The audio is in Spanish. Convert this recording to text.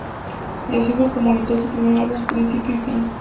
Y así fue cómo editó su primer álbum "Principio y fin".